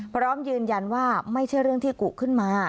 พร้อมยืนยันว่าไม่ใช่เรื่องที่กุขึ้นมา